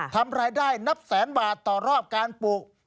ทำรายได้นับแสนบาทต่อรอบการปลูก